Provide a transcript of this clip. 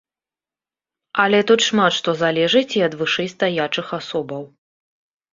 Але тут шмат што залежыць і ад вышэйстаячых асобаў.